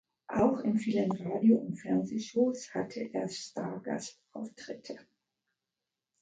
Auch in vielen Radio- und Fernsehshows hatte er Stargast-Auftritte.